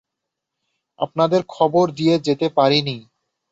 আপনাদের খবর দিয়ে যেতে পারি নি।